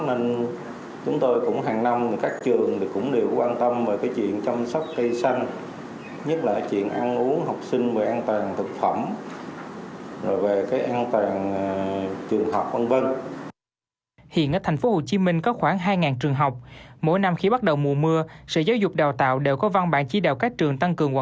ảnh hưởng tích cực từ công tác chống dịch covid một mươi chín trong nước